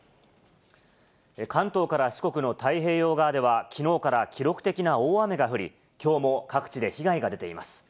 関東から四国の太平洋側ではきのうから記録的な大雨が降り、きょうも各地で被害が出ています。